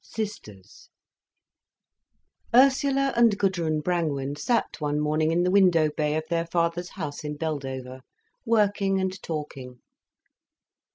SISTERS Ursula and Gudrun Brangwen sat one morning in the window bay of their father's house in Beldover, working and talking.